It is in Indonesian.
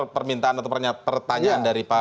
permintaan atau pertanyaan dari pak